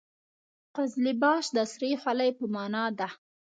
قزلباش د سرې خولۍ په معنا ده.